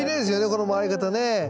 この回り方ね。